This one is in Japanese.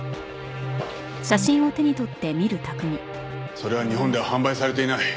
それは日本では販売されていない。